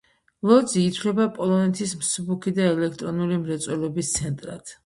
ლოძი ითვლება პოლონეთის მსუბუქი და ელექტრონული მრეწველობის ცენტრად.